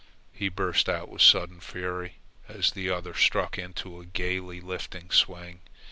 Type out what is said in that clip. he burst out with sudden fury, as the other struck into a gaily lifting swing.